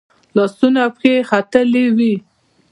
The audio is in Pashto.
لاسونه او پښې یې ختلي وي.